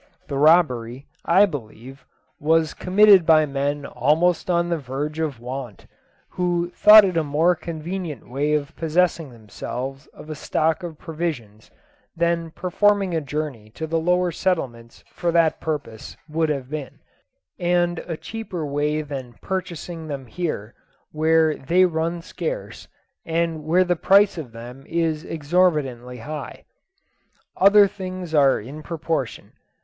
The robbery, I believe, was committed by men almost on the verge of want, who thought it a more convenient way of possessing themselves of a stock of provisions than performing a journey to the lower settlements for that purpose would have been, and a cheaper way than purchasing them here, where they run scarce, and where the price of them is exorbitantly high. Other things are in proportion.